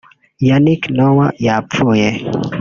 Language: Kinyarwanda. Yannick Noah yapfuye